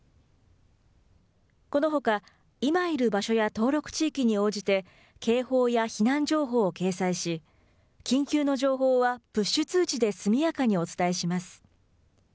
このほか、今いる場所や登録地域に応じて警報や避難情報を掲載し、緊急の情報は、プッシュ通知で速やかにお伝えします。